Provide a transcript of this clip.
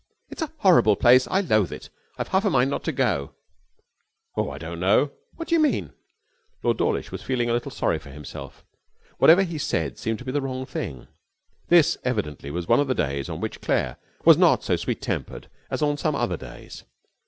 'It's a horrible place. I loathe it. I've half a mind not to go.' 'Oh, I don't know.' 'What do you mean?' Lord Dawlish was feeling a little sorry for himself. Whatever he said seemed to be the wrong thing. This evidently was one of the days on which Claire was not so sweet tempered as on some other days.